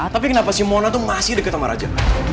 tapi kenapa sih mona tuh masih deket sama raja